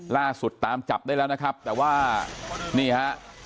ล่าสุดตามจับได้แล้วนะครับแต่ว่านี่ฮะ